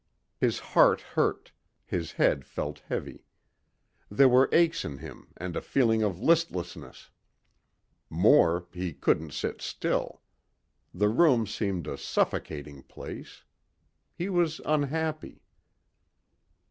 His heart hurt, his head felt heavy. There were aches in him and a feeling of listlessness. More, he couldn't sit still. The room seemed a suffocating place. He was unhappy.